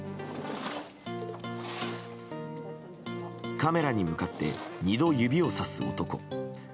カメラに向かって２度指をさす男。